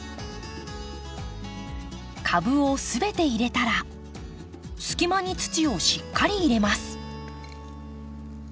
株を全て入れたら隙間に土をしっかり入れます。